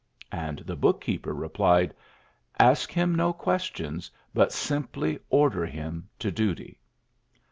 '' And the book keei)er re plied, "Ask him no questions, but simply order him to duty."